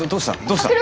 どうした？